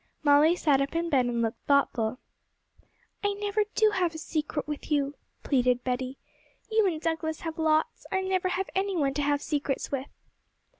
Molly sat up in bed and looked thoughtful. 'I never do have a secret with you,' pleaded Betty. 'You and Douglas have lots; I never have any one to have secrets with.'